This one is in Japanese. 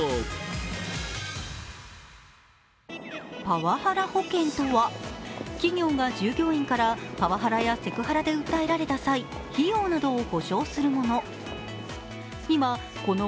パワハラ保険とは企業が従業員からパワハラや訴えられた際、費用などを補償するもの。